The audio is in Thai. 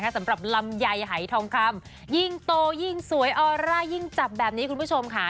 สำหรับลำไยหายทองคำยิ่งโตยิ่งสวยออร่ายิ่งจับแบบนี้คุณผู้ชมค่ะ